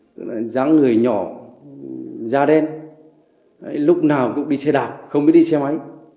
tức là dáng người nhỏ da đen lúc nào cũng đi xe đạp không biết đi xe máy